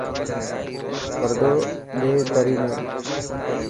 پردو ڏي دري نا.